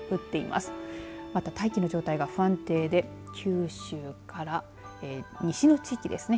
また、大気の状態が不安定で九州から西の地域ですね。